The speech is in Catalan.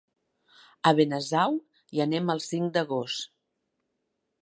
A Benasau hi anem el cinc d'agost.